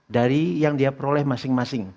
dari yang dia peroleh masing masing